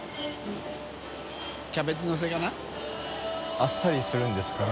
あっさりするんですかね？